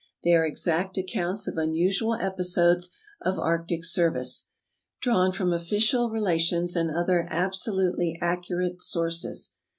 They are exact accounts of unusual episodes of arctic service, drawn from official relations and other abso lutely accurate sources.